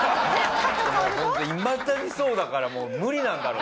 ホントいまだにそうだからもう無理なんだろうなって。